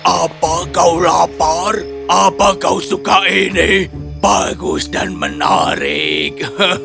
apa kau lapar apa kau suka ini bagus dan menarik